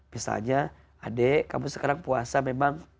misalnya adik kamu sekarang puasa memang